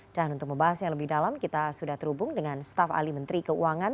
dan untuk membahas yang lebih dalam kita sudah terhubung dengan staff alimenteri keuangan